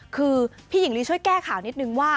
คือพี่หญิงลีช่วยแก้ข่าวนิดนึงว่า